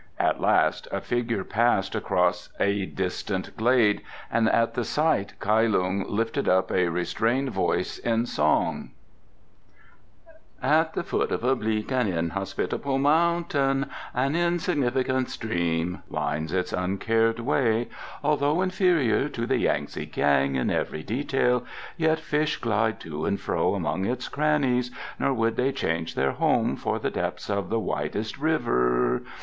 At last a figure passed across a distant glade and at the sight Kai Lung lifted up a restrained voice in song: "At the foot of a bleak and inhospitable mountain An insignificant stream winds its uncared way; Although inferior to the Yangtze kiang in every detail Yet fish glide to and fro among its crannies Nor would they change their home for the depths of the widest river.